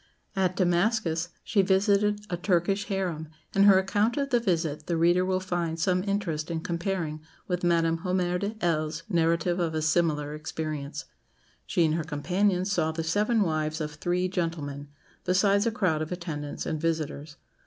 " At Damascus she visited a Turkish harem, and her account of the visit the reader will find some interest in comparing with Madame Hommaire de Hell's narrative of a similar experience. She and her companions saw the seven wives of three gentlemen, besides a crowd of attendants and visitors.